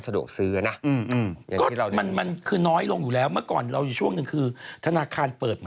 ทุกอย่างจะเป็นส่งธนาคาร